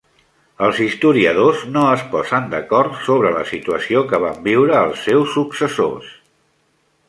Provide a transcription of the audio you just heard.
Els historiadors no es posen d'acord sobre la situació que van viure els seus successors.